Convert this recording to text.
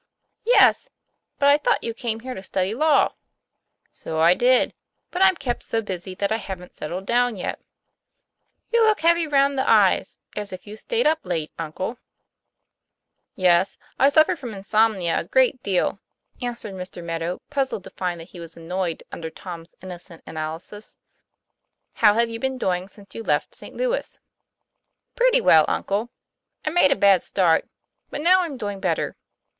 ' Yes ! but I thought you came here to study law. " "So I did; but I'm kept so busy that I haven't settled down yet." ' You look heavy round the eyes, as if you stayed up late, uncle." 'Yes; I suffer from insomnia a great deal," an swered Mr. Meadow, puzzled to find that he was annoyed under Tom's innocent analysis. ' How have you been doing since you left St. Louis? ': 'Pretty well, uncle. I made a bad start; but now I'm doing better.